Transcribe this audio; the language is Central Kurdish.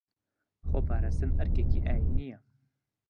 خۆپاراستن ئەرکێکی ئاینییە